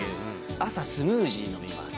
朝、スムージー飲みます。